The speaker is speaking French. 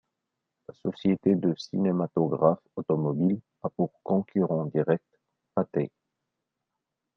La Société du cinématographe automobile a pour concurrent direct Pathé.